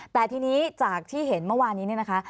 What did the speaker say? แต่ทีนี้จากที่เห็นเมื่อวานนี้เนี่ยนะคะ